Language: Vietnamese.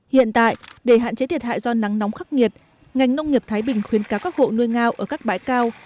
hiện tại để hạn chế thiệt hại do nắng nóng khắc nghiệt ngành nông nghiệp thái bình khuyến cáo các hộ nuôi ngao ở các bãi cao